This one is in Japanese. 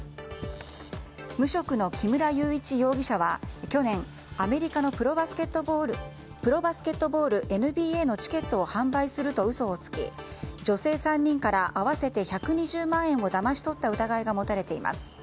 無職の木村祐一容疑者は去年アメリカのプロバスケットボールＮＢＡのチケットを販売すると嘘をつき女性３人から合わせて１２０万円をだまし取った疑いが持たれています。